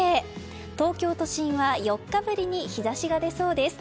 東京都心は４日ぶりに日差しが出そうです。